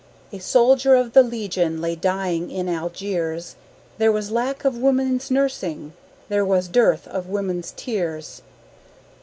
"A soldier of the Legion lay dying in Algiers, There was lack of woman's nursing, there was dearth of woman's tears."